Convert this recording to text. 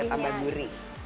supaya tambah gurih